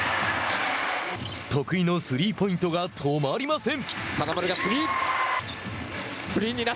得意のスリーポイントが止まりません。